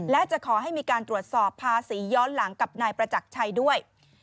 และจะขอให้มีการตรวจสอบภาษีย้อนหลังกับนายประจักรชัยด้วย